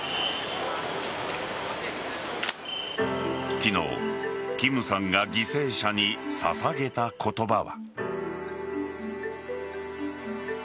昨日、キムさんが犠牲者に捧げた言葉は。